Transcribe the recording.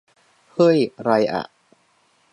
เฮ้ย ไรอะ